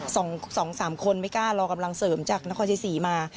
สองสองสามคนไม่กล้ารอกำลังเสริมจากนครชัยศรีมา